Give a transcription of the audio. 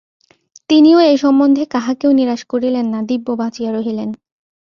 তিনিও এ সম্বন্ধে কাহাকেও নিরাশ করিলেন না, দিব্য বাঁচিয়া রহিলেন।